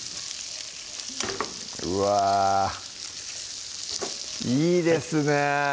うわいいですね